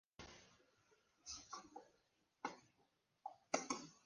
Recorrido: se dirige hacia delante pasando por detrás de la clavícula.